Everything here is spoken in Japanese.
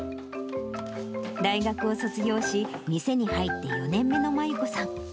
大学を卒業し、店に入って４年目の真裕子さん。